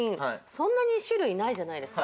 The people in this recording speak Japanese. そんなに種類ないじゃないですか。